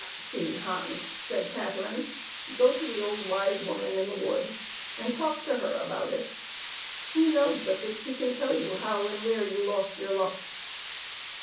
" See, Hans," said Catherine ;" go to the old wise woman in the wood and talk to her about it ; who knows but that she can tell you how and where you lost your luck